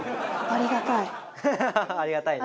ありがたい。